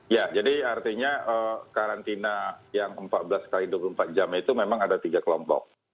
ya jadi artinya karantina yang empat belas x dua puluh empat jam itu memang ada tiga kelompok